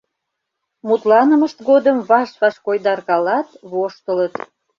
Мутланымышт годым ваш-ваш койдаркалат, воштылыт.